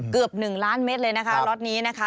เกือบ๑ล้านเมตรเลยนะคะล็อตนี้นะคะ